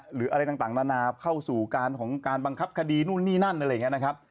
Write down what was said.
หรืออะไรต่างนานาเข้าสู่การของการบังคับคดีนู่นนี่นั่นอะไรอย่างนี้นะครับ